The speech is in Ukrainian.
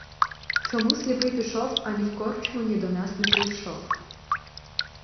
Чому сліпий пішов, а ні в корчму, ні до нас не прийшов?